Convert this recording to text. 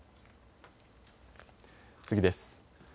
次です。